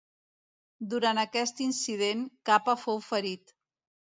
Durant aquest incident, Capa fou ferit.